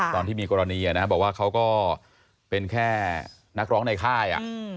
ตอนที่มีกรณีบอกว่าเขาก็เป็นแค่นักร้องในค่าย